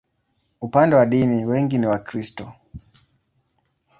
Upande wa dini, wengi ni Wakristo.